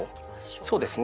そうですね。